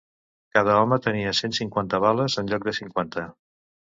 Cada home tenia cent cinquanta bales en lloc de cinquanta